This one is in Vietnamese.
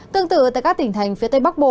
tương tự tại các tỉnh thành phía tây bắc bộ